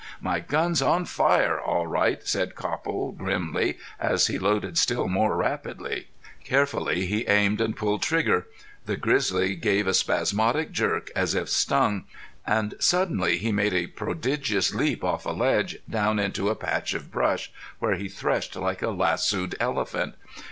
"My gun's on fire all right," said Copple, grimly, as he loaded still more rapidly. Carefully he aimed and pulled trigger. The grizzly gave a spasmodic jerk as if stung and suddenly he made a prodigious leap off a ledge, down into a patch of brush, where he threshed like a lassoed elephant.